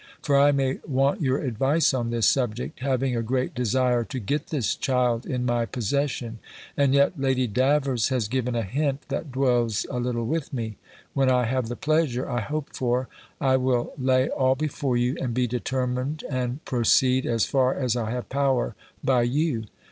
For I may want your advice on this subject, having a great desire to get this child in my possession; and yet Lady Davers has given a hint, that dwells a little with me. When I have the pleasure I hope for, I will lay all before you, and be determined, and proceed, as far as I have power, by you.